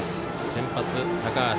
先発、高橋。